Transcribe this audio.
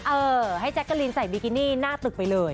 เออให้แจ๊กกะลินใส่บิกินี่หน้าตึกไปเลย